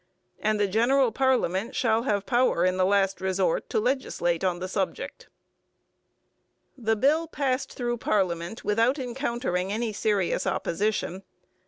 And the general parliament shall have power in the last resort to legislate on the subject. The bill passed through parliament without encountering any serious opposition.